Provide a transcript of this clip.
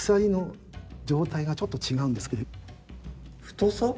太さ？